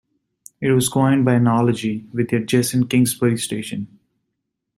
It was coined by analogy with the adjacent Kingsbury station.